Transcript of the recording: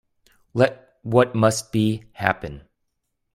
Let what must be, happen.